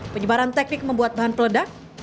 penyebaran teknik membuat bahan peledak